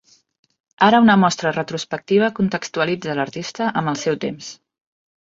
Ara una mostra retrospectiva contextualitza l’artista amb el seu temps.